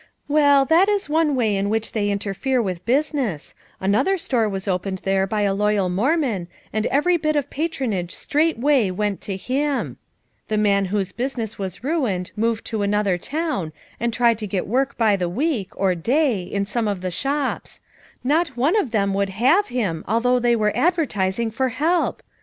"Well, that is one way in which they inter fere with business. Another store was opened there by a loyal Mormon and every bit of pat 191 FOUR MOTHERS AT CHAUTAUQUA ronage straightway went to him. The man whose business was ruined moved to another town and tried to get work by the week, or day, in some of the shops; not one of them would have him although they were advertis ing for help!